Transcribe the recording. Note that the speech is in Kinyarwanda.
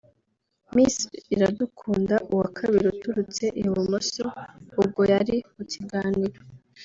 Miss Iradukunda (Uwa kabiri uturutse i Bumuso) ubwo yari mu kiganiro